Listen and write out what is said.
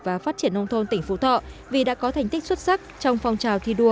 và phát triển nông thôn tỉnh phú thọ vì đã có thành tích xuất sắc trong phong trào thi đua